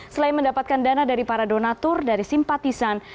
selain mendapatkan dana dari para donatur dari simpatisan